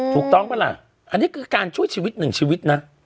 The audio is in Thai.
ถูกต้องปะล่ะอันนี้คือการช่วยชีวิตหนึ่งชีวิตนะ